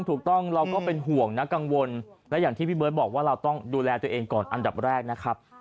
ถูกต้องเราก็เป็นห่วงนะกังวลและอย่างที่พี่เบิร์ตบอกว่าเราต้องดูแลตัวเองก่อนอันดับแรกนะครับ